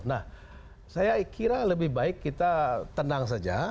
nah saya kira lebih baik kita tenang saja